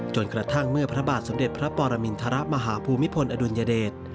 กระทั่งเมื่อพระบาทสมเด็จพระปรมินทรมาฮภูมิพลอดุลยเดช